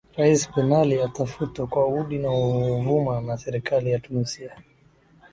rais benali atafutwa kwa udi na uvuma na serikali ya tunisia